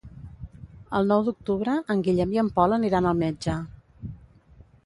El nou d'octubre en Guillem i en Pol aniran al metge.